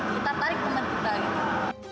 kita tarik pemen kita gitu